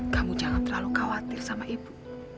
kamu jangan terlalu khawatir sama ibu